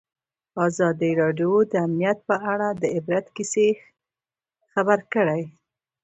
ازادي راډیو د امنیت په اړه د عبرت کیسې خبر کړي.